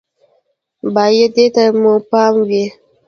بايد دې ته مو پام وي